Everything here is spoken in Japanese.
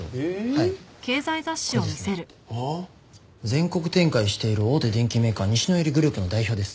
全国展開している大手電機メーカー西野入グループの代表です。